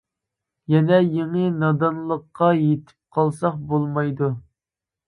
يەنە يېڭى نادانلىققا پېتىپ قالساق بولمايدۇ!